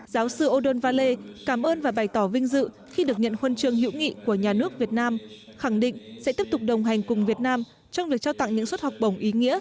giáo sư odon vale cảm ơn và bày tỏ vinh dự khi được nhận huân chương hữu nghị của nhà nước việt nam khẳng định sẽ tiếp tục đồng hành cùng việt nam trong việc trao tặng những suất học bổng ý nghĩa